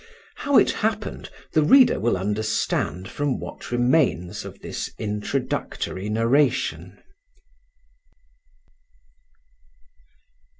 How it happened the reader will understand from what remains of this introductory narration.